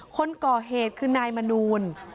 คนก่อเหตุคือนายมนูล